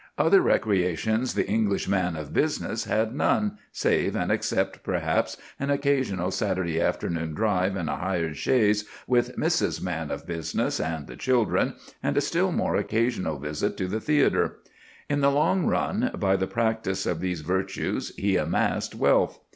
Other recreations the English man of business had none, save and except perhaps an occasional Saturday afternoon drive in a hired chaise with Mrs. Man of Business and the children, and a still more occasional visit to the theatre. In the long run, by the practice of these virtues he amassed wealth.